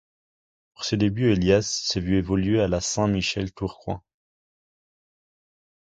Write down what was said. Pour ses débuts Elias s'est vu évoluer à la Saint Michel Tourcoing.